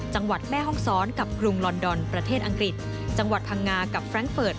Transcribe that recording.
จังหวัดแม่ห้องซ้อนกับกรุงลอนดอนประเทศอังกฤษ